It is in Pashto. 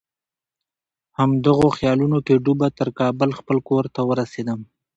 همدغو خیالونو کې ډوبه تر کابل خپل کور ته ورسېدم.